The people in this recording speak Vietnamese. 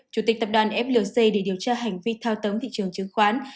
chủ tịch tập đoàn flc để điều tra hành vi thao túng thị trường chứng khoán